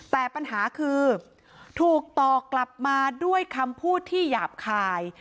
แต่ปัญหาคือถูกต่อกลับมาด้วยคำพูดที่หยาบคาย